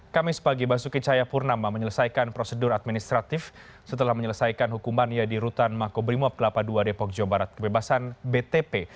kami sepagi basuki cahaya purnama menyelesaikan prosedur administratif setelah menyelesaikan hukuman yang dirutan makobrimob kelapa ii depok jawa barat kebebasan btp